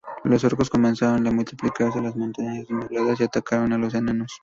Los orcos comenzaron a multiplicarse en las Montañas Nubladas y atacaron a los enanos.